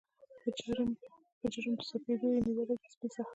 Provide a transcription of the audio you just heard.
په جرم د سپېدو یې دي نیولي سپین سهار